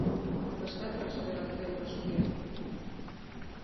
Тыштат раш пералт кайымаш уке.